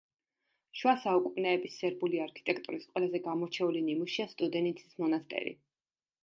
შუა საუკუნეების სერბული არქიტექტურის ყველაზე გამორჩეული ნიმუშია სტუდენიცის მონასტერი.